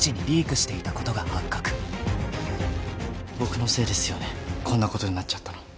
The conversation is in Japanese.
僕のせいですよねこんなことになっちゃったの。